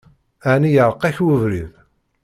Ɛni iɛṛeq-ak webrid?